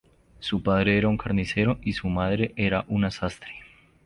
Su padre era un carnicero y su madre era una sastre.